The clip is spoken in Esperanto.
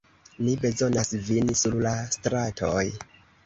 Ni bezonas vin sur la stratoj.